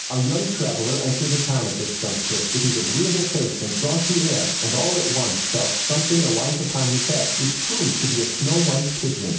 Our young traveller entered the town at this juncture, with his agreeable face and jaunty air, and all at once felt something alight upon his head, which proved to be a snow white pigeon.